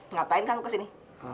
ngapain kamu kesini